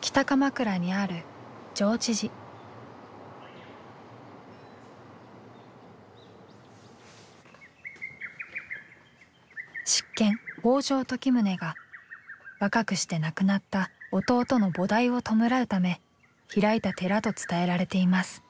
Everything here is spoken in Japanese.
北鎌倉にある執権北条時宗が若くして亡くなった弟の菩提を弔うため開いた寺と伝えられています。